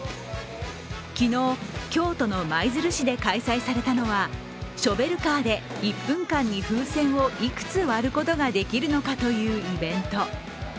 昨日、京都の舞鶴市で開催されたのはショベルカーで１分間に風船をいくつ割ることができるのかというイベント。